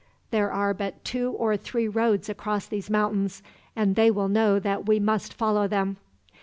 There are but two or three roads across these mountains, and they will know that we must follow them."